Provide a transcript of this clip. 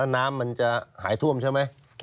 น้ำมันจะหายท่วมใช่ไหม